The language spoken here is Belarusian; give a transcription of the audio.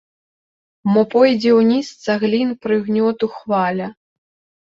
Мо пойдзе ўніз цаглін прыгнёту хваля?